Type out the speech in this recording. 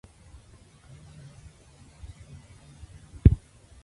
El caso se cerró oficialmente tras el entierro de los excursionistas.